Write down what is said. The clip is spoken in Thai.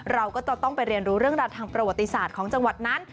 เราก็จะต้องไปเรียนรู้เรื่องราวทางประวัติศาสตร์ของจังหวัดนั้น